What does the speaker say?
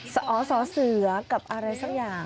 สอสอเสือกับอะไรสักอย่าง